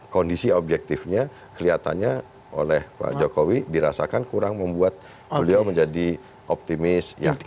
kondisi objektifnya kelihatannya oleh pak jokowi dirasakan kurang membuat beliau menjadi optimis